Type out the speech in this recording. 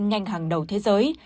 nhanh hàng đầu thế giới